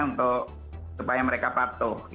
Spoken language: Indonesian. untuk supaya mereka patuh